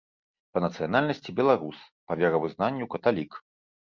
Па нацыянальнасці беларус, па веравызнанню каталік.